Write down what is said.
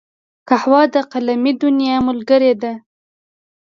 قهوه د قلمي دنیا ملګرې ده